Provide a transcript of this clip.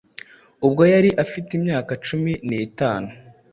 ubwo yari afite imyaka cumi nitanu